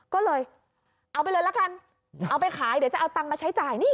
ก็เลยเอาไปเลยละกันเอาไปขายเดี๋ยวจะเอาตังค์มาใช้จ่ายนี่